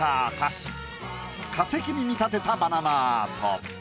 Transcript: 化石に見立てたバナナアート。